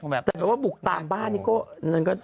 ก็บุกกล่ามบ้าน